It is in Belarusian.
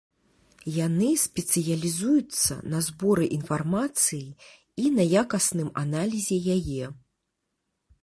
Яны спецыялізуюцца на зборы інфармацыі і на якасным аналізе яе.